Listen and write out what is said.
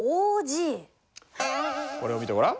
これを見てごらん。